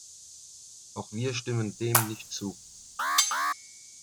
Auch wir stimmen dem nicht zu.